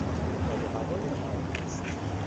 آب و هوای آبخستی